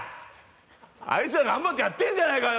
あいつら、頑張ってやってるんじゃないかよ！